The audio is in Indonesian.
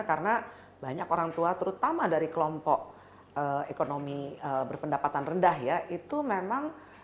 karena banyak orangtua terutama dari kelompok ekonomi berpendapatan rendah ya itu memang